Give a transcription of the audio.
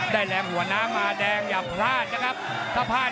ได้แรงหัวหน้ามาแดงอย่าพลาดนะครับ